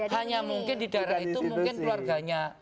hanya mungkin di daerah itu mungkin keluarganya